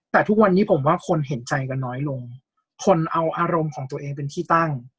แต่ทุกวันนี้ผมว่าคนเห็นใจกันน้อยลงคนเอาอารมณ์ของตัวเองเป็นที่ตั้ง